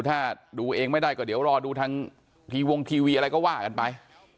ถ้าดูเองไม่ได้ก็เดี๋ยวรอดูทางทีวงทีวีอะไรก็ว่ากันไป